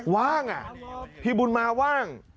ว่างอ่ะพี่บุญมาว่าง